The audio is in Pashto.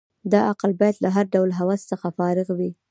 دا عقل باید له هر ډول هوس څخه فارغ وي.